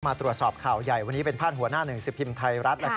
ตรวจสอบข่าวใหญ่วันนี้เป็นพาดหัวหน้าหนึ่งสิบพิมพ์ไทยรัฐ